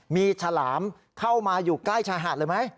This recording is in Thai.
มีฉลามเข้ามาอยู่ใกล้ชายหาดเลยไหม